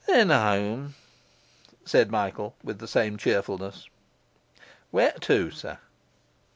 'Then home,' said Michael, with the same cheerfulness. 'Where to, sir?